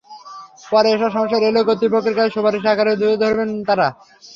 পরে এসব সমস্যা রেলওয়ে কর্তৃপক্ষের কাছে সুপারিশ আকারে তুলে ধরবেন তাঁরা।